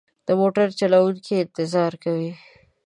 د موټر چلوونکی انتظار کوي.